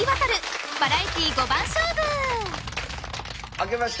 明けまして。